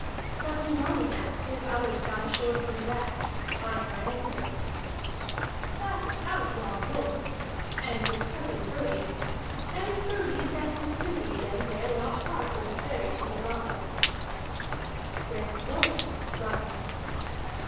So when Grani asked if others got ashore from the wreck, Einar answered: "That outlaw Rolf, and his cousin Frodi. And Frodi is at his smithy again, there not far from the ferry to Hvamm." "Where is Rolf?" Grani asked.